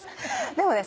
でもね